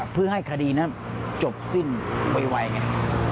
เพื่อให้คดีนั้นจบสิ้นไวไง